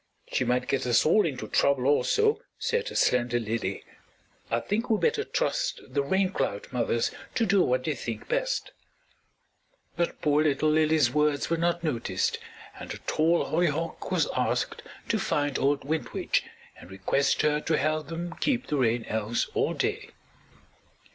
"She might get us all into trouble also," said a slender lily. "I think we better trust the Rain Cloud mothers to do what they think best." But poor little lily's words were not noticed and a tall hollyhock was asked to find old Wind Witch and request her to help them keep the Rain Elves all day.